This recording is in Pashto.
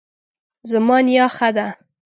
زما نیا ښه ده